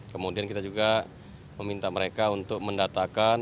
kemudian kita juga meminta mereka untuk mendatakan